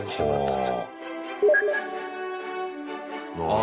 あ。